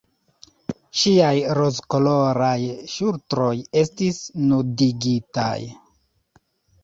Ŝiaj rozkoloraj ŝultroj estis nudigitaj.